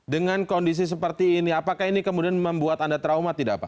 dengan kondisi seperti ini apakah ini kemudian membuat anda trauma tidak pak